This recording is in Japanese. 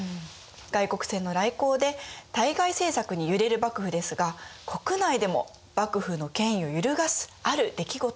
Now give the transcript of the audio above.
外国船の来航で対外政策に揺れる幕府ですが国内でも幕府の権威を揺るがすある出来事が起こります。